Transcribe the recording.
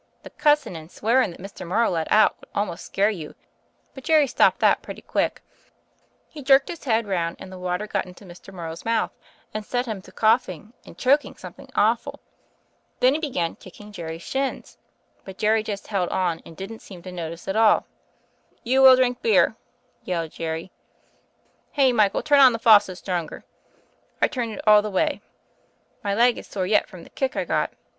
The cussin' and swearin' that Mr. Morrow let out would al most scare you; but Jerry stopped that pretty quick. He jerked his head round, and the water got into Mr. Morrow's mouth and set him to coughing and choking something awful. 'Then he began kicking Jerry's snins, but Jerry just held on and didn't seem to notice at all. *You will drink beer,' yelled Jerry — *Hey, Michael, turn on the faucet stronger.' I turned it all the way. My leg is sore yet from the kick I got.